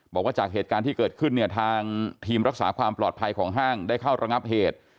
บอกว่าจากเหตุการณ์ที่เกิดขึ้นเนี่ยทางทีมรักษาความปลอดภัยของห้างได้เข้าระงับเหตุ